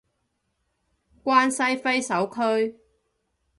關西揮手區